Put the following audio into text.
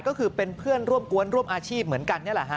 ก็คือเป็นเพื่อนร่วมกวนร่วมอาชีพเหมือนกัน